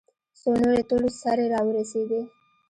څو نورې تور سرې راورسېدې.